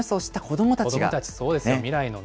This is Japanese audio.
子どもたち、そうですよ、未来の。